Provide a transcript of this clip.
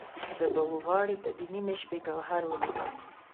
زه به وغاړې ته د نیمې شپې، ګوهر ولیکم